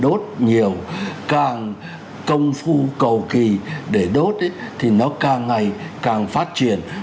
đốt nhiều càng công phu cầu kỳ để đốt thì nó càng ngày càng phát triển